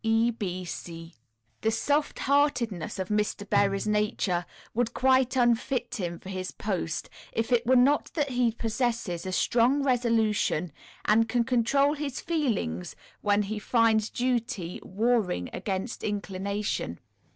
E. B. C. The soft heartedness of Mr. Berry's nature would quite unfit him for his post if it were not that he possesses a strong resolution, and can control his feelings when he finds duty warring against inclination.